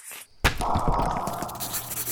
八百萬